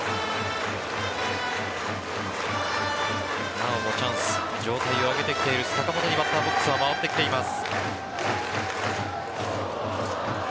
なおもチャンス状態を上げてきている坂本にバッターボックスは回ってきています。